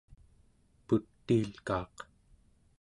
putiil'kaaq